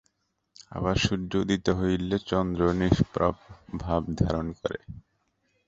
আবার সূর্য উদিত হইলে চন্দ্রও নিষ্প্রভ ভাব ধারণ করে।